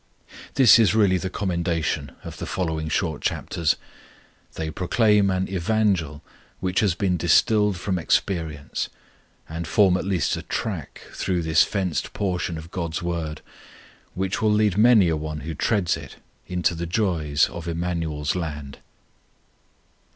This is really the commendation of the following short chapters. They proclaim an Evangel which has been distilled from experience, and form at least a track through this fenced portion of God's Word, which will lead many an one who treads it into the joys of Emmanuel's land.